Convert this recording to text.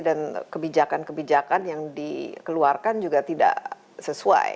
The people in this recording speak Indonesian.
dan kebijakan kebijakan yang dikeluarkan juga tidak sesuai